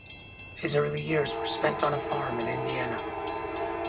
His early years were spent on a farm in Indiana.